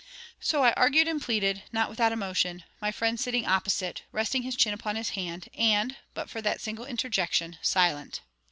So I argued and pleaded, not without emotion; my friend sitting opposite, resting his chin upon his hand and (but for that single interjection) silent.